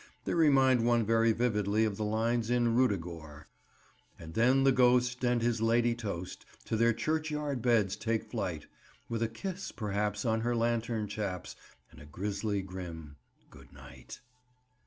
They remind one very vividly of the lines in Ruddigore— "And then the ghost and his lady toast To their churchyard beds take flight, With a kiss perhaps on her lantern chaps And a grisly, grim 'Good night!